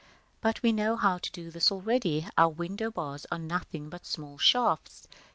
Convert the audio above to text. But we know how to do this already: our window bars are nothing but small shafts.